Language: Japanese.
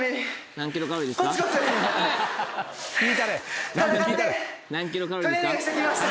何キロカロリーですか？